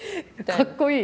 かっこいい。